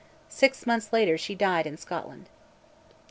Six months later she died in Scotland.